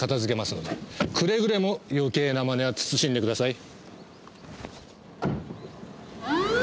くれぐれも余計な真似は慎んでください。